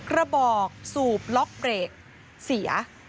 ระบอกสูบล็อกเบรกเสีย